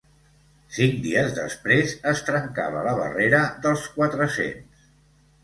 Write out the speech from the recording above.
Cinc dies després, es trencava la barrera dels quatre-cents.